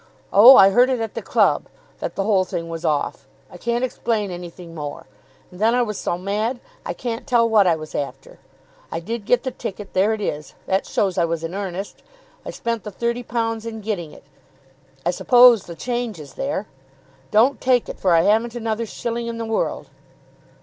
Oh, I heard it at the club, that the whole thing was off. I can't explain anything more. And then I was so mad, I can't tell what I was after. I did get the ticket. There it is. That shows I was in earnest. I spent the £30 in getting it. I suppose the change is there. Don't take it, for I haven't another shilling in the world."